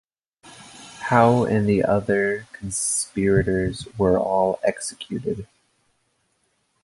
Hou and the other conspirators were all executed.